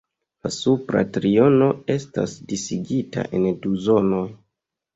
La supra triono estas disigita en du zonoj.